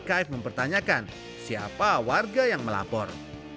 kf mempertanyakan siapa warga yang melapor